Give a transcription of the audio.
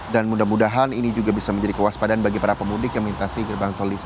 dan mudah mudahan ini juga bisa menjadi kewaspadaan bagi para pemudik yang melintasi gerbang tol